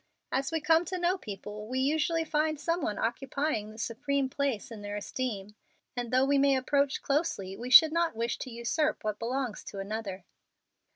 As we come to know people well, we usually find some one occupying the supreme place in their esteem, and though we may approach closely we should not wish to usurp what belongs to another.